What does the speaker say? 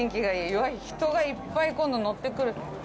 うわっ、人がいっぱい今度、乗ってくる。